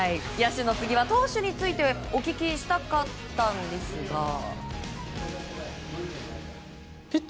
野手の次は投手についてお聞きしたかったんですが。